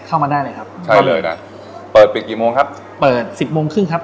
เข้ามาได้เลยครับใช่เลยนะเปิดปิดกี่โมงครับเปิดสิบโมงครึ่งครับ